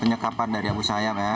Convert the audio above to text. penyekapan dari abu sayyaf ya